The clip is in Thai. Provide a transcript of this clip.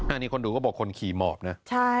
อันนี้คนดูก็บอกคนขี่หมอบนะ